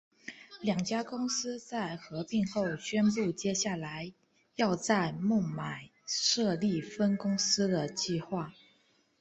两家公司在合并后宣布接下来要在孟买设立分公司的计划。